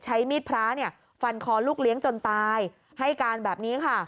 ใช้มีดพระเนี่ยฟันคอลูกเลี้ยงจนตายให้การแบบนี้ค่ะ